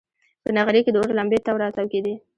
په نغري کې د اور لمبې تاو راتاو کېدې.